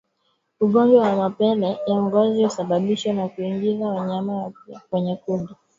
Ugonjwa wa mapele ya ngozi husababishwa na kuingiza wanyama wapya kwenye kundi